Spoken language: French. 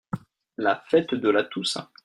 La Fête de la Toussaint.